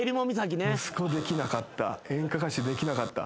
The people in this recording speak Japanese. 息子できなかった演歌歌手できなかった。